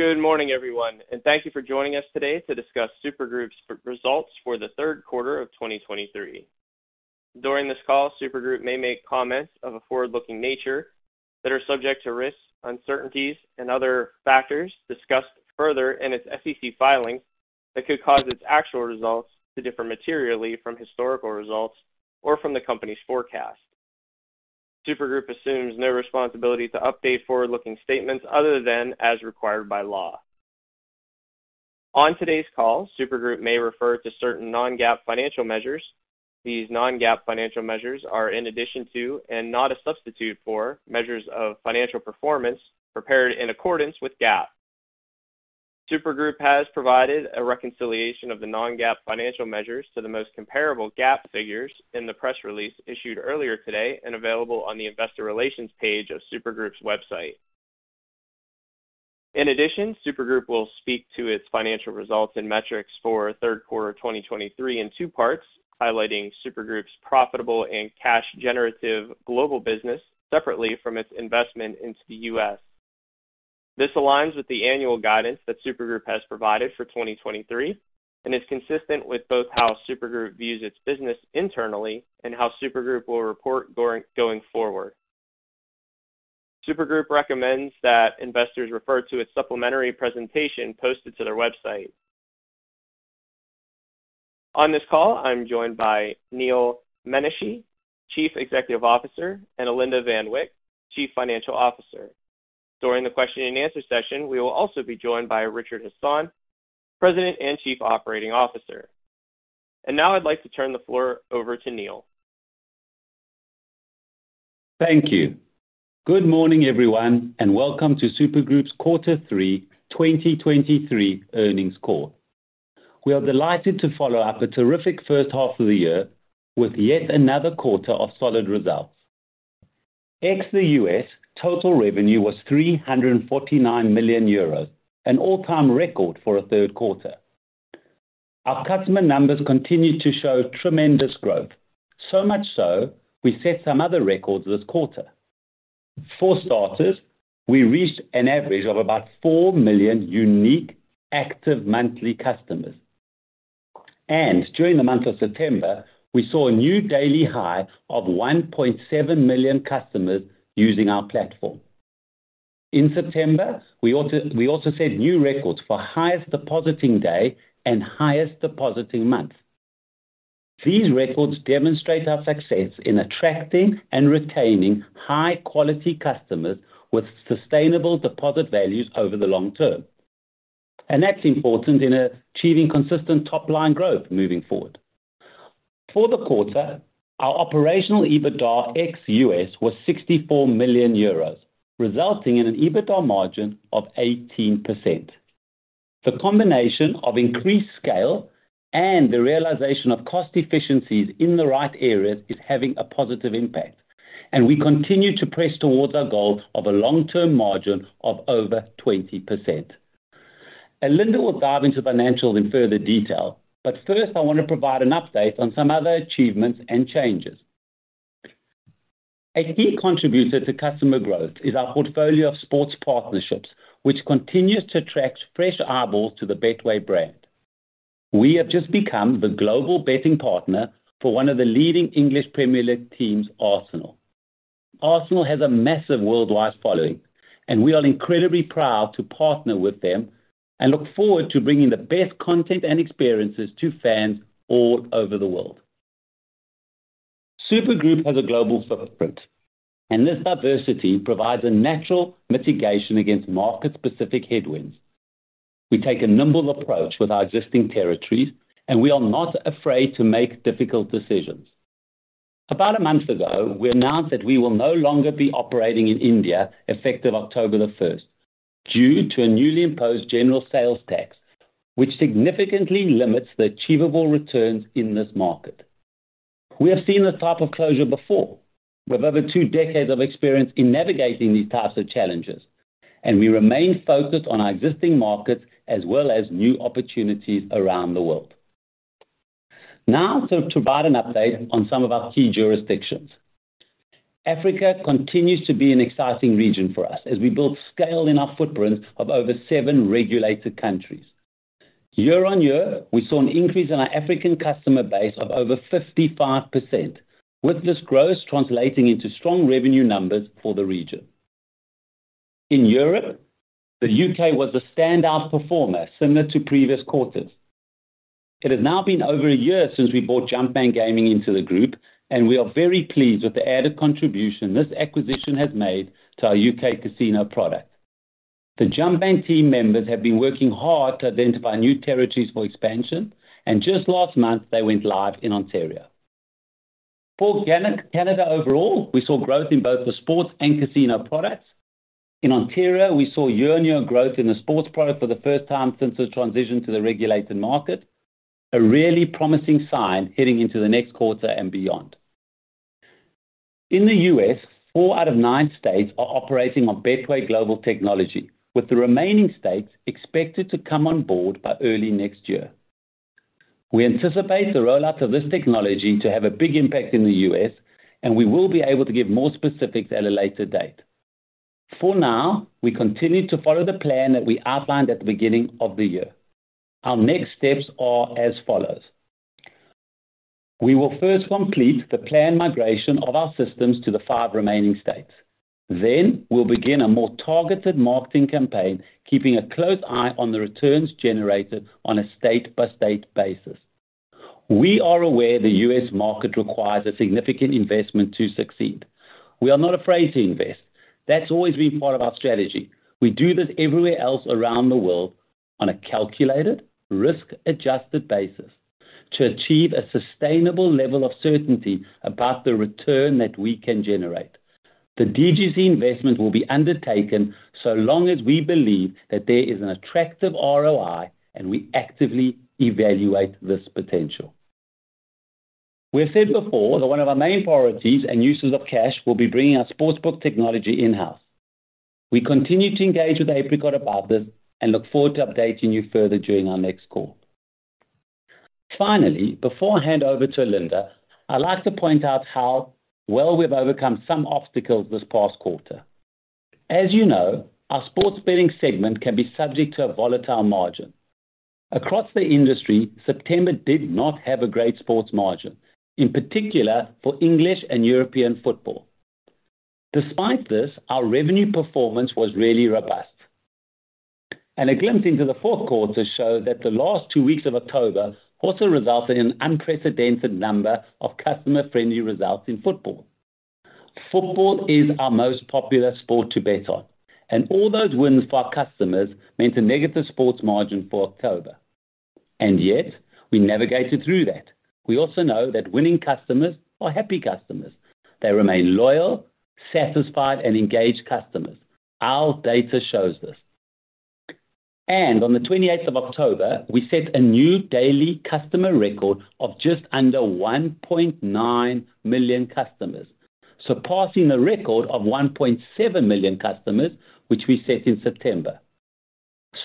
Good morning, everyone, and thank you for joining us today to discuss Super Group's results for the third quarter of 2023. During this call, Super Group may make comments of a forward-looking nature that are subject to risks, uncertainties and other factors discussed further in its SEC filing, that could cause its actual results to differ materially from historical results or from the company's forecast. Super Group assumes no responsibility to update forward-looking statements other than as required by law. On today's call, Super Group may refer to certain non-GAAP financial measures. These non-GAAP financial measures are in addition to, and not a substitute for, measures of financial performance prepared in accordance with GAAP. Super Group has provided a reconciliation of the non-GAAP financial measures to the most comparable GAAP figures in the press release issued earlier today and available on the investor relations page of Super Group's website. In addition, Super Group will speak to its financial results and metrics for third quarter 2023 in two parts, highlighting Super Group's profitable and cash generative global business separately from its investment into the U.S.. This aligns with the annual guidance that Super Group has provided for 2023, and is consistent with both how Super Group views its business internally and how Super Group will report going forward. Super Group recommends that investors refer to its supplementary presentation posted to their website. On this call, I'm joined by Neal Menashe, Chief Executive Officer, and Alinda Van Wyk, Chief Financial Officer. During the question and answer session, we will also be joined by Richard Hasson, President and Chief Operating Officer. Now I'd like to turn the floor over to Neal. Thank you. Good morning, everyone, and welcome to Super Group's quarter 3 2023 earnings call. We are delighted to follow up a terrific first half of the year with yet another quarter of solid results. Ex the U.S., total revenue was 349 million euros, an all-time record for a third quarter. Our customer numbers continue to show tremendous growth, so much so, we set some other records this quarter. For starters, we reached an average of about 4 million unique active monthly customers, and during the month of September, we saw a new daily high of 1.7 million customers using our platform. In September, we also set new records for highest depositing day and highest depositing month. These records demonstrate our success in attracting and retaining high-quality customers with sustainable deposit values over the long term, and that's important in achieving consistent top-line growth moving forward. For the quarter, our operational EBITDA ex-U.S. was 64 million euros, resulting in an EBITDA margin of 18%. The combination of increased scale and the realization of cost efficiencies in the right areas is having a positive impact, and we continue to press towards our goal of a long-term margin of over 20%. Alinda will dive into the financials in further detail, but first I want to provide an update on some other achievements and changes. A key contributor to customer growth is our portfolio of sports partnerships, which continues to attract fresh eyeballs to the Betway brand. We have just become the global betting partner for one of the leading English Premier League teams, Arsenal. Arsenal has a massive worldwide following, and we are incredibly proud to partner with them and look forward to bringing the best content and experiences to fans all over the world. Super Group has a global footprint, and this diversity provides a natural mitigation against market-specific headwinds. We take a nimble approach with our existing territories, and we are not afraid to make difficult decisions. About a month ago, we announced that we will no longer be operating in India effective October the first, due to a newly imposed general sales tax, which significantly limits the achievable returns in this market. We have seen this type of closure before. We have over two decades of experience in navigating these types of challenges, and we remain focused on our existing markets as well as new opportunities around the world. Now to provide an update on some of our key jurisdictions. Africa continues to be an exciting region for us as we build scale in our footprint of over seven regulated countries. Year-on-year, we saw an increase in our African customer base of over 55%, with this growth translating into strong revenue numbers for the region. In Europe, the U.K. was the standout performer, similar to previous quarters. It has now been over a year since we bought Jumpman Gaming into the group, and we are very pleased with the added contribution this acquisition has made to our U.K. casino product. The Jumpman team members have been working hard to identify new territories for expansion, and just last month, they went live in Ontario. For Canada overall, we saw growth in both the sports and casino products. In Ontario, we saw year-on-year growth in the sports product for the first time since the transition to the regulated market, a really promising sign heading into the next quarter and beyond. In the U.S., four out of nine states are operating on Betway's global technology, with the remaining states expected to come on board by early next year. We anticipate the rollout of this technology to have a big impact in the U.S., and we will be able to give more specifics at a later date. For now, we continue to follow the plan that we outlined at the beginning of the year. Our next steps are as follows: We will first complete the planned migration of our systems to the five remaining states. Then we'll begin a more targeted marketing campaign, keeping a close eye on the returns generated on a state-by-state basis. We are aware the U.S. market requires a significant investment to succeed. We are not afraid to invest. That's always been part of our strategy. We do this everywhere else around the world on a calculated, risk-adjusted basis to achieve a sustainable level of certainty about the return that we can generate. The DGC investment will be undertaken so long as we believe that there is an attractive ROI and we actively evaluate this potential. We have said before that one of our main priorities and uses of cash will be bringing our sportsbook technology in-house. We continue to engage with Apricot about this and look forward to updating you further during our next call. Finally, before I hand over to Alinda, I'd like to point out how well we've overcome some obstacles this past quarter. As you know, our sports betting segment can be subject to a volatile margin. Across the industry, September did not have a great sports margin, in particular, for English and European football. Despite this, our revenue performance was really robust. A glimpse into the fourth quarter showed that the last two weeks of October also resulted in an unprecedented number of customer-friendly results in football. Football is our most popular sport to bet on, and all those wins for our customers meant a negative sports margin for October, and yet we navigated through that. We also know that winning customers are happy customers. They remain loyal, satisfied, and engaged customers. Our data shows this. On the 28th of October, we set a new daily customer record of just under 1.9 million customers, surpassing the record of 1.7 million customers, which we set in September.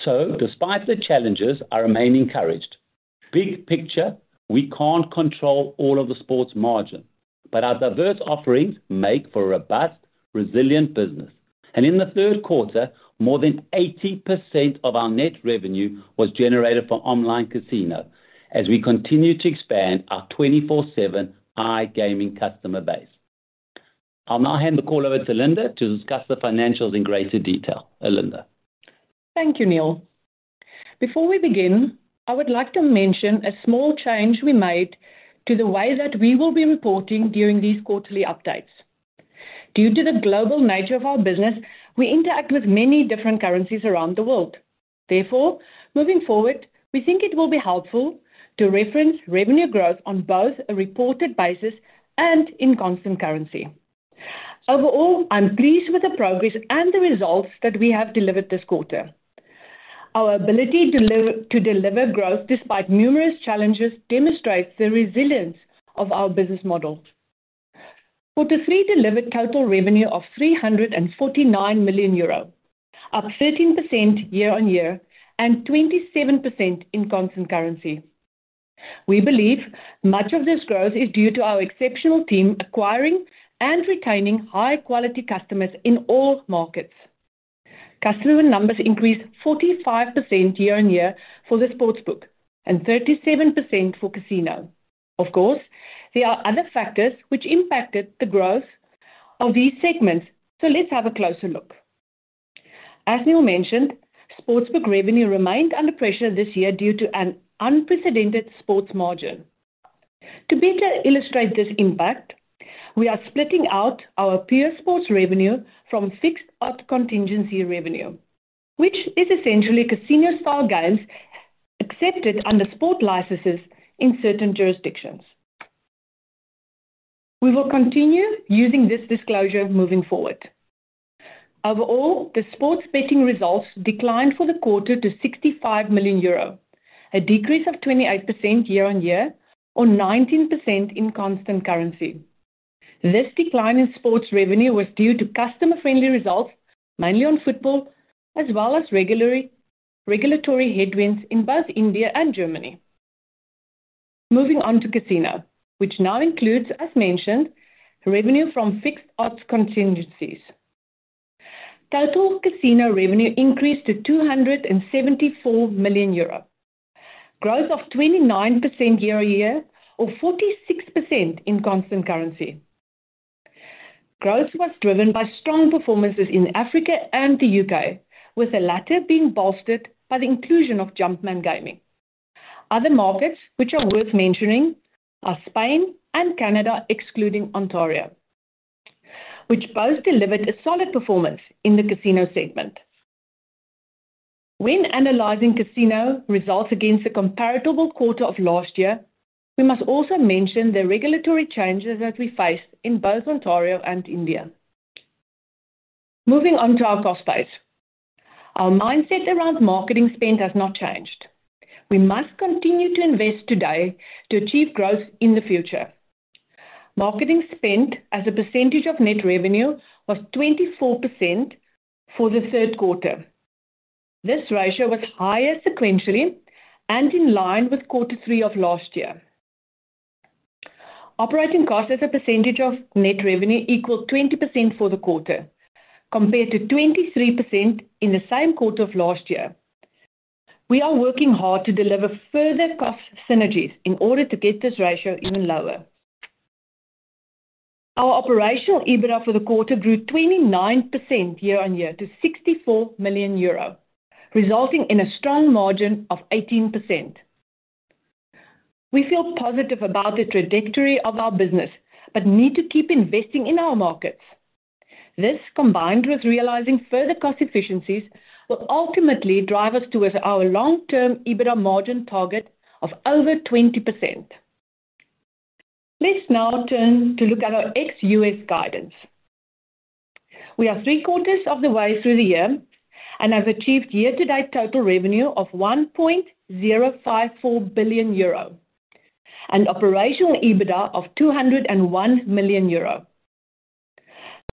Despite the challenges, I remain encouraged. Big picture, we can't control all of the sports margin, but our diverse offerings make for a robust, resilient business. In the third quarter, more than 80% of our net revenue was generated from online casino as we continue to expand our 24/7 iGaming customer base. I'll now hand the call over to Alinda to discuss the financials in greater detail. Alinda. Thank you, Neal. Before we begin, I would like to mention a small change we made to the way that we will be reporting during these quarterly updates. Due to the global nature of our business, we interact with many different currencies around the world. Therefore, moving forward, we think it will be helpful to reference revenue growth on both a reported basis and in constant currency. Overall, I'm pleased with the progress and the results that we have delivered this quarter. Our ability to deliver, to deliver growth despite numerous challenges, demonstrates the resilience of our business model. Quarter three delivered total revenue of 349 million euro, up 13% year-on-year, and 27% in constant currency. We believe much of this growth is due to our exceptional team acquiring and retaining high-quality customers in all markets. Customer numbers increased 45% year-on-year for the sportsbook and 37% for casino. Of course, there are other factors which impacted the growth of these segments, so let's have a closer look. As Neal mentioned, sportsbook revenue remained under pressure this year due to an unprecedented sports margin. To better illustrate this impact, we are splitting out our pure sports revenue from fixed-odds contingency revenue, which is essentially casino-style games accepted under sport licenses in certain jurisdictions. We will continue using this disclosure moving forward. Overall, the sports betting results declined for the quarter to 65 million euro, a decrease of 28% year-on-year, or 19% in constant currency. This decline in sports revenue was due to customer-friendly results, mainly on football, as well as regulatory headwinds in both India and Germany. Moving on to casino, which now includes, as mentioned, revenue from fixed odds contingency. Total casino revenue increased to 274 million euros, growth of 29% year-on-year, or 46% in constant currency. Growth was driven by strong performances in Africa and the U.K., with the latter being bolstered by the inclusion of Jumpman Gaming. Other markets which are worth mentioning are Spain and Canada, excluding Ontario, which both delivered a solid performance in the casino segment. When analyzing casino results against the comparable quarter of last year, we must also mention the regulatory changes that we faced in both Ontario and India. Moving on to our cost base. Our mindset around marketing spend has not changed. We must continue to invest today to achieve growth in the future. Marketing spend as a percentage of net revenue was 24% for the third quarter. This ratio was higher sequentially and in line with quarter three of last year. Operating costs as a percentage of net revenue equaled 20% for the quarter, compared to 23% in the same quarter of last year. We are working hard to deliver further cost synergies in order to get this ratio even lower. Our operational EBITDA for the quarter grew 29% year-on-year to EUR 64 million, resulting in a strong margin of 18%. We feel positive about the trajectory of our business, but need to keep investing in our markets. This, combined with realizing further cost efficiencies, will ultimately drive us towards our long-term EBITDA margin target of over 20%. Let's now turn to look at our ex-U.S. guidance. We are three quarters of the way through the year and have achieved year-to-date total revenue of 1.054 billion euro and operational EBITDA of 201 million euro.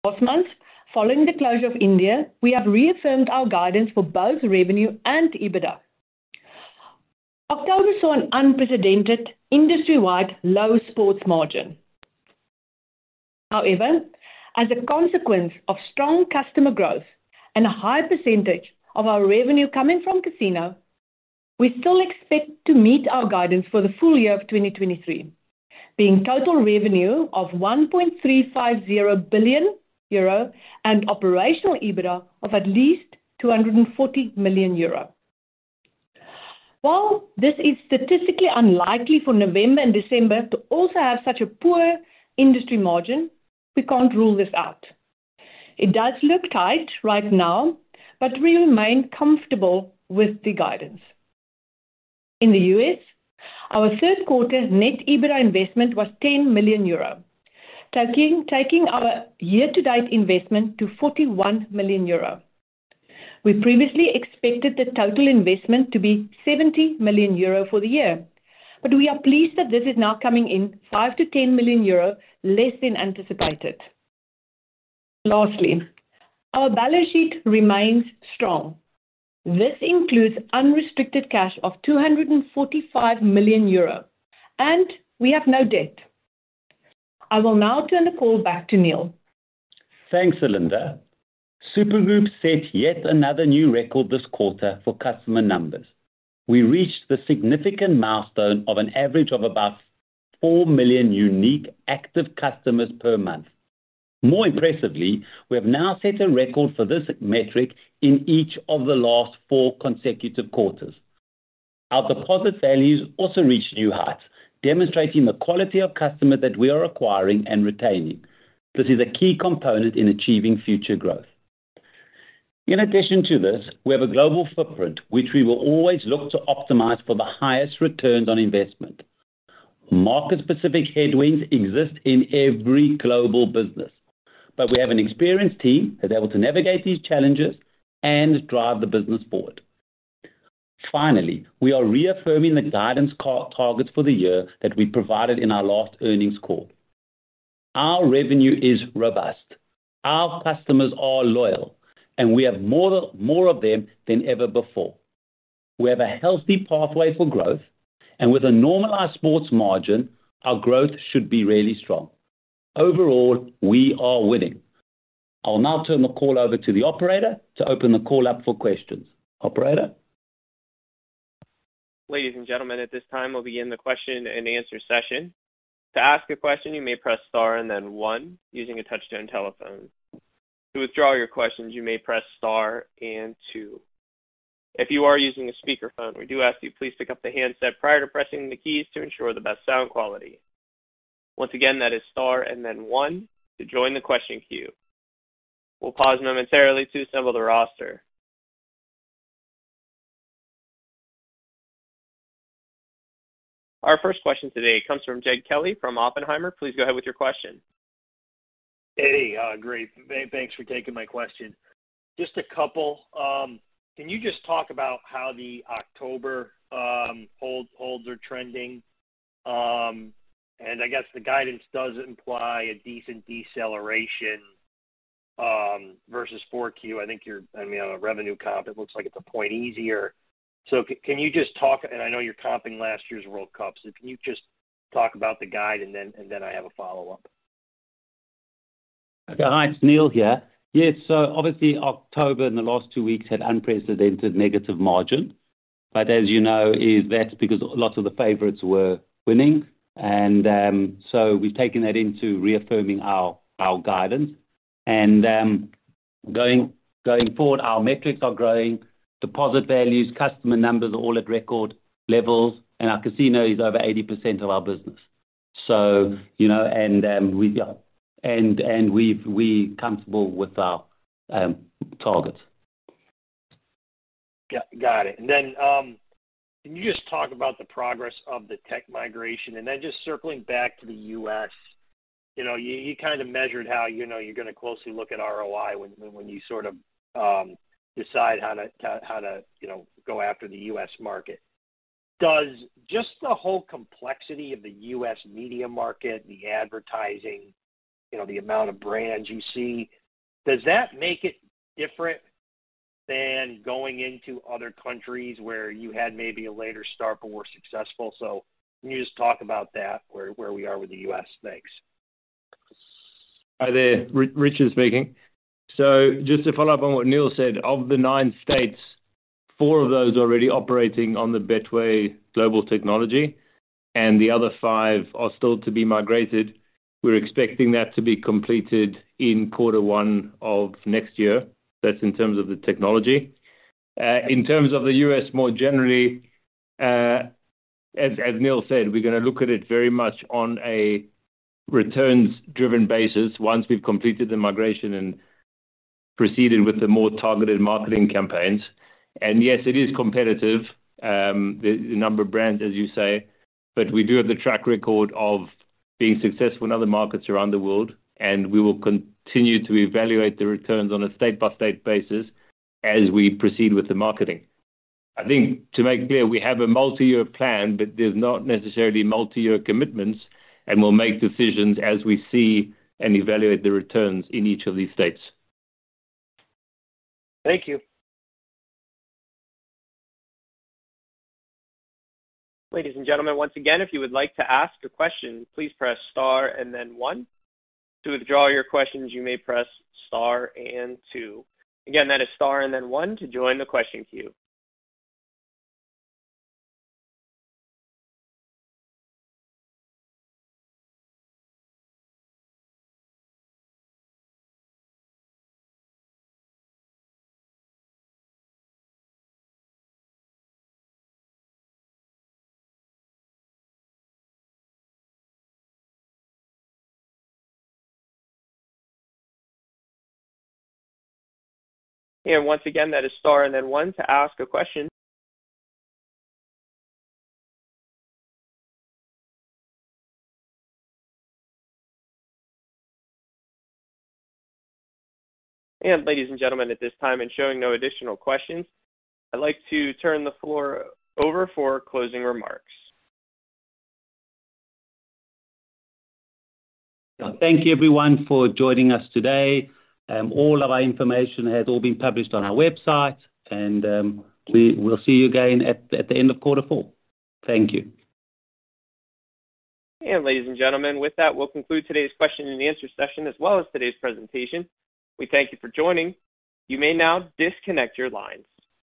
Last month, following the closure of India, we have reaffirmed our guidance for both revenue and EBITDA. October saw an unprecedented industry-wide low sports margin. However, as a consequence of strong customer growth and a high percentage of our revenue coming from casino, we still expect to meet our guidance for the full year of 2023, being total revenue of 1.350 billion euro and operational EBITDA of at least 240 million euro. While this is statistically unlikely for November and December to also have such a poor industry margin, we can't rule this out. It does look tight right now, but we remain comfortable with the guidance. In the U.S., our third quarter net EBITDA investment was 10 million euro, taking our year-to-date investment to 41 million euro. We previously expected the total investment to be 70 million euro for the year, but we are pleased that this is now coming in 5 million-10 million euro less than anticipated. Lastly, our balance sheet remains strong. This includes unrestricted cash of 245 million euro, and we have no debt. I will now turn the call back to Neal. Thanks, Alinda. Super Group set yet another new record this quarter for customer numbers. We reached the significant milestone of an average of about 4 million unique active customers per month. More impressively, we have now set a record for this metric in each of the last 4 consecutive quarters. Our deposit values also reached new heights, demonstrating the quality of customer that we are acquiring and retaining. This is a key component in achieving future growth. In addition to this, we have a global footprint, which we will always look to optimize for the highest returns on investment. Market-specific headwinds exist in every global business, but we have an experienced team that's able to navigate these challenges and drive the business forward. Finally, we are reaffirming the guidance targets for the year that we provided in our last earnings call. Our revenue is robust, our customers are loyal, and we have more, more of them than ever before. We have a healthy pathway for growth, and with a normalized sports margin, our growth should be really strong. Overall, we are winning. I'll now turn the call over to the operator to open the call up for questions. Operator? Ladies and gentlemen, at this time, we'll begin the question-and-answer session. To ask a question, you may press star and then one using a touch-tone telephone. To withdraw your questions, you may press star and two. If you are using a speakerphone, we do ask you please pick up the handset prior to pressing the keys to ensure the best sound quality. Once again, that is star and then one to join the question queue. We'll pause momentarily to assemble the roster. Our first question today comes from Jed Kelly from Oppenheimer. Please go ahead with your question. Hey, great. Thanks for taking my question. Just a couple. Can you just talk about how the October holds are trending? And I guess the guidance does imply a decent deceleration versus 4Q. I think you're, I mean, on a revenue comp, it looks like it's a point easier. So can you just talk. And I know you're comping last year's World Cup, so can you just talk about the guide and then I have a follow-up. Okay. Hi, it's Neal here. Yes, so obviously October and the last 2 weeks had unprecedented negative margin, but as you know, that's because a lot of the favorites were winning. And so we've taken that into reaffirming our guidance. And going forward, our metrics are growing, deposit values, customer numbers are all at record levels, and our casino is over 80% of our business. So, you know, and we're comfortable with our targets. Yeah, got it. And then, can you just talk about the progress of the tech migration and then just circling back to the U.S.? You know, you kind of measured how, you know, you're going to closely look at ROI when you sort of decide how to, how to, you know, go after the U.S. market. Does just the whole complexity of the U.S. media market, the advertising, you know, the amount of brands you see, does that make it different than going into other countries where you had maybe a later start but were successful? So can you just talk about that, where we are with the U.S.? Thanks. Hi there, Richard speaking. So just to follow up on what Neal said, of the nine states, four of those are already operating on the Betway global technology, and the other five are still to be migrated. We're expecting that to be completed in quarter one of next year. That's in terms of the technology. In terms of the U.S. more generally, as Neal said, we're gonna look at it very much on a returns-driven basis once we've completed the migration and proceeded with the more targeted marketing campaigns. And yes, it is competitive, the number of brands, as you say, but we do have the track record of being successful in other markets around the world, and we will continue to evaluate the returns on a state-by-state basis as we proceed with the marketing. I think to make it clear, we have a multi-year plan, but there's not necessarily multi-year commitments, and we'll make decisions as we see and evaluate the returns in each of these states. Thank you. Ladies and gentlemen, once again, if you would like to ask a question, please press star and then one. To withdraw your questions, you may press star and two. Again, that is star and then one to join the question queue. Once again, that is star and then one to ask a question. Ladies and gentlemen, at this time and showing no additional questions, I'd like to turn the floor over for closing remarks. Thank you, everyone, for joining us today. All of our information has all been published on our website, and we will see you again at the end of quarter four. Thank you. Ladies and gentlemen, with that, we'll conclude today's question and answer session, as well as today's presentation. We thank you for joining. You may now disconnect your lines.